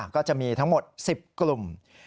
ก็จะมีทั้งหมด๑๐กลุ่ม